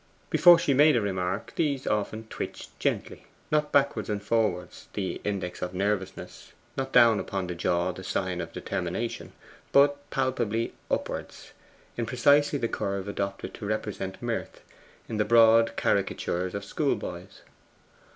Before she made a remark these often twitched gently: not backwards and forwards, the index of nervousness; not down upon the jaw, the sign of determination; but palpably upwards, in precisely the curve adopted to represent mirth in the broad caricatures of schoolboys.